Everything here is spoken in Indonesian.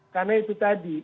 karena itu tadi